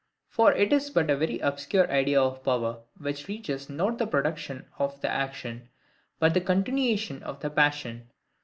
For it is but a very obscure idea of power which reaches not the production of the action, but the continuation of the passion.